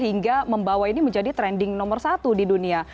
hingga membawa ini menjadi trending nomor satu di dunia